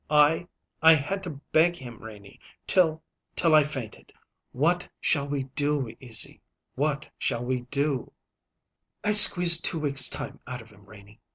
I I had to beg him, Renie, till till I fainted." "What shall we do, Izzy? What shall we do?" "I squeezed two weeks' time out of him, Renie.